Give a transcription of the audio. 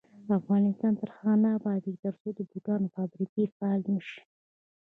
افغانستان تر هغو نه ابادیږي، ترڅو د بوټانو فابریکې فعالې نشي.